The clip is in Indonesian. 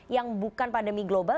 yang bukan pandemi global